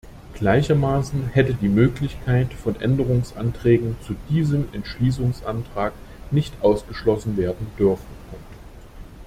Gleichermaßen hätte die Möglichkeit von Änderungsanträgen zu diesem Entschließungsantrag nicht ausgeschlossen werden dürfen.